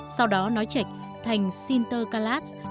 sau đó nói trệch thành sinterklaas